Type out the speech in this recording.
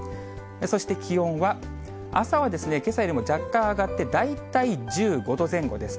そして気温は、朝はけさよりも若干上がって、大体１５度前後です。